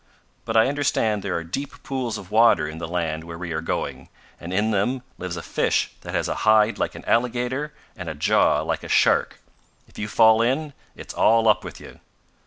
But I understand there are deep pools of water in the land where we are going, and in them lives a fish that has a hide like an alligator and a jaw like a shark. If you fall in it's all up with you."